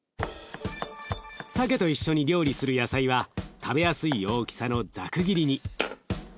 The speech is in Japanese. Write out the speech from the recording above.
さけと一緒に料理する野菜は食べやすい大きさのざく切りに。